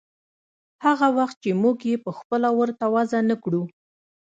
هغه وخت چې موږ يې پخپله ورته وضع نه کړو.